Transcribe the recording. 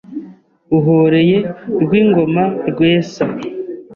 Uhoreye Rwingoma Rwesa